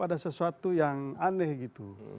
ada sesuatu yang aneh gitu